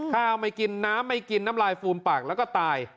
ไม่กินน้ำไม่กินน้ำลายฟูมปากแล้วก็ตาย